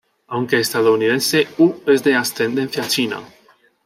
Aunque estadounidense, Hu es de ascendencia china.